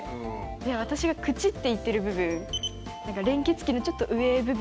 で私が口って言ってる部分連結器のちょっと上部分。